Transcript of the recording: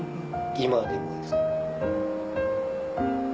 今でもですね。